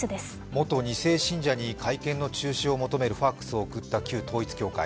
元２世信者に会見の中止を求めるＦＡＸを送った旧統一教会。